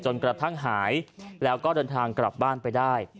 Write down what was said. กระทั่งหายแล้วก็เดินทางกลับบ้านไปได้